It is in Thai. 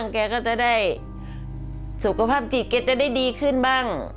แกก็จะได้สุขภาพจิตแกจะได้ดีขึ้นบ้าง